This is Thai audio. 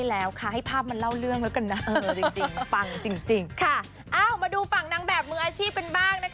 ทั้งหน้าทั้งขุนอะให้คุณผู้ชมดูเองว่าเป๊ะขนาดไหน